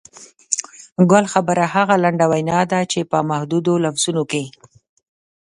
ګل خبره هغه لنډه وینا ده چې په محدودو لفظونو کې.